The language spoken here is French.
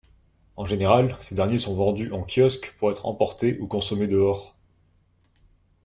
En général, ces derniers sont vendus en kiosque pour être emportés ou consommés dehors.